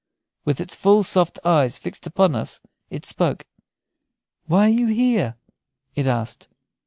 With its full, soft eyes fixed upon us, it spoke. "Why are you here?" it asked.